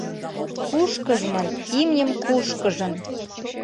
«Кушкыжмын имньым кушкыжын...»